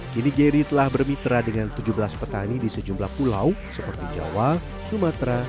kini geri telah bermitra dengan tujuh belas petani di sejumlah pulau seperti jawa sumatera